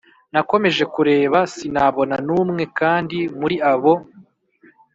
Nakomeje kureba sinabona n umwe kandi muri abo